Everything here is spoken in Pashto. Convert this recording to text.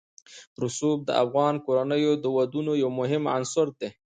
رسوب د افغان کورنیو د دودونو یو مهم عنصر دی.